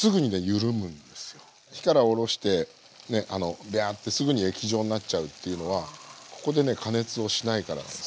火からおろしてねビャーッてすぐに液状になっちゃうっていうのはここでね加熱をしないからなんです。